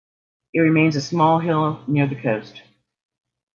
It remains a small hill near the coast.